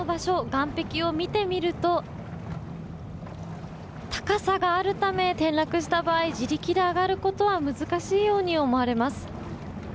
岸壁を見てみると高さがあるため、転落した場合自力で上がることは難しいように思われます。